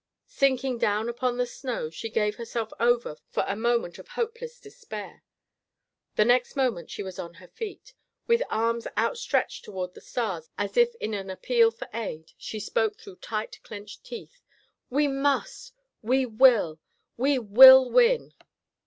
Sinking down upon the snow, she gave herself over for a moment to hopeless despair. The next moment she was on her feet. With arms outstretched toward the stars as if in appeal for aid, she spoke through tight clenched teeth: "We must! We will! We will win!"